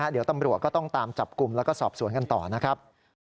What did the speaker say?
เดี๋ยวตำรวจก็ต้องตามจับกลุ่มแล้วก็สอบสวนกันต่อนะครับ